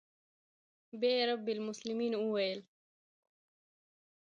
بيا يې رب المسلمين وويل.